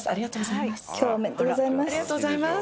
今日はおめでとうございます。